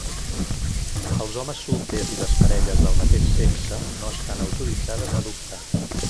Els homes solters i les parelles del mateix sexe no estan autoritzades a adoptar.